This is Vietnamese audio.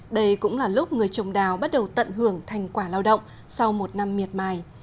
đây cũng là lúc người trồng đào bắt đầu tận hưởng thành quả lao động sau một năm miệt mài